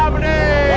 masih pak amdi